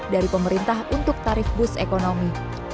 dari pemerintah untuk tarif bus ekonomi